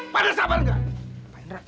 padahal sabar enggak